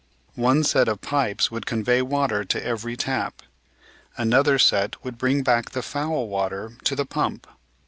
One set of pipes would convey water to every tap; another set would bring back the foul water to the pump.